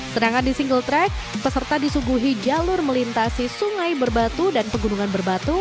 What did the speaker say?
sedangkan di single track peserta disuguhi jalur melintasi sungai berbatu dan pegunungan berbatu